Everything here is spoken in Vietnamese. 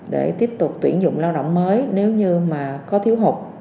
để tiếp tục tuyển dụng lao động mới nếu như mà có thiếu hụt